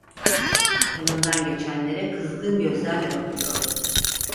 Yanından geçenlere kızgın gözlerle bakıyordu.